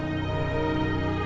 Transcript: aku mau makan